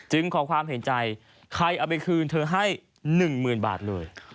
ขอความเห็นใจใครเอาไปคืนเธอให้๑๐๐๐บาทเลย